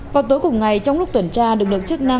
vào tối cùng ngày trong lúc tuần tra